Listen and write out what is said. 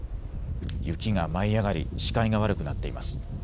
雪が舞い上がり視界が悪くなっています。